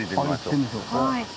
行ってみましょう。